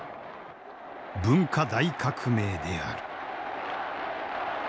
文化大革命である。